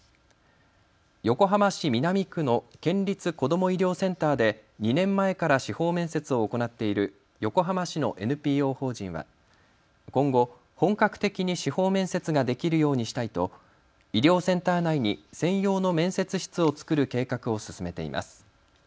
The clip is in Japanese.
横浜市南区の県立こども医療センターで２年前から司法面接を行っている横浜市のＮＰＯ法人は今後、本格的に司法面接ができるようにしたいと医療センター内に専用の面接室を作る計画を進めています。